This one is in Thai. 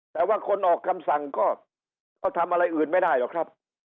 แต่ว่าคนออกคำสั่งก็ทำอะไรอื่นไม่ได้หรอกครับ